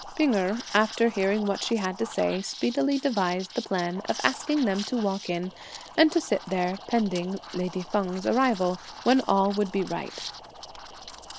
P'ing Erh, after hearing what she had to say, speedily devised the plan of asking them to walk in, and to sit there pending (lady Feng's arrival), when all would be right.